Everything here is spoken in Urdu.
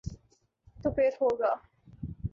تو پھر ہو گا۔